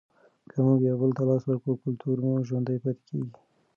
که موږ یو بل ته لاس ورکړو کلتور مو ژوندی پاتې کیږي.